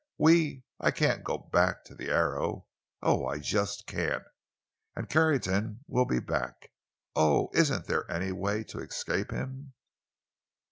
We—I can't go back to the Arrow! Oh, I just can't! And Carrington will be back! Oh! isn't there any way to escape him?"